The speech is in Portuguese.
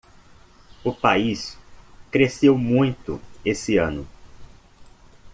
O país cresceu muito esse ano.